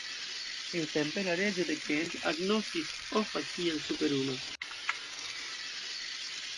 Tiutempe la reĝo de Kent agnoskis Offa kiel superulo.